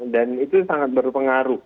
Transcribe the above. dan itu sangat berpengaruh